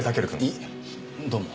いどうも。